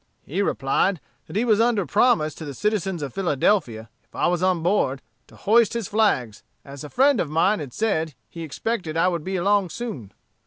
He replied, that he was under promise to the citizens of Philadelphia, if I was on board, to hoist his flags, as a friend of mine had said he expected I would be along soon.